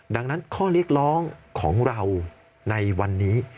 ดังนั้นข้อเรียกร้องของเราในวันนี้